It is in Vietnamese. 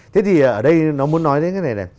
thế thì ở đây nó muốn nói đến cái này là